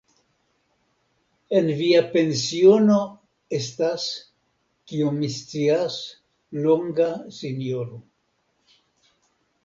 En via pensiono estas, kiom mi scias, longa sinjoro .